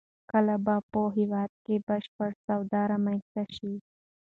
کله به په هېواد کې بشپړ سواد رامنځته شي؟